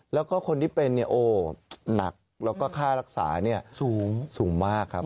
แล้วคนที่เป็นหนักและค่ารักษาสูงมากครับ